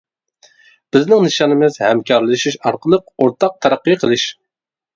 بىزنىڭ نىشانىمىز-ھەمكارلىشىش ئارقىلىق ئورتاق تەرەققىي قىلىش!